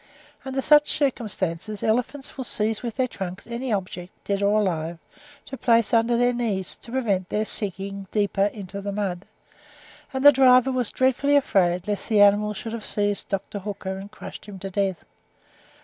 Under such circumstances elephants will seize with their trunks any object, dead or alive, to place under their knees, to prevent their sinking deeper in the mud; and the driver was dreadfully afraid lest the animal should have seized Dr. Hooker and crushed him to death.